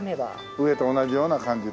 上と同じような感じという。